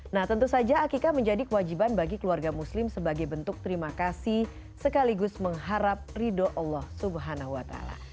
nah tentu saja akikah menjadi kewajiban bagi keluarga muslim sebagai bentuk terima kasih sekaligus mengharap ridho allah swt